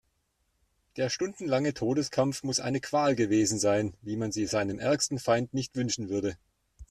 Der stundenlange Todeskampf muss eine Qual gewesen sein, wie man sie seinem ärgsten Feind nicht wünschen würde.